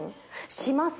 します？